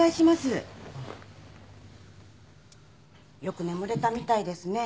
よく眠れたみたいですね。